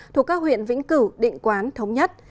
thuộc các huyện vĩnh cửu định quán thống nhất